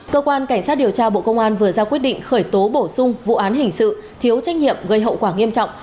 cơ quan cảnh sát điều tra bộ công an vừa ra quyết định khởi tố bổ sung vụ án hình sự thiếu trách nhiệm gây hậu quả nghiêm trọng